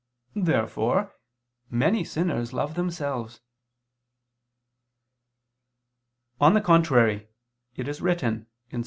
Therefore many sinners love themselves. On the contrary, It is written (Ps.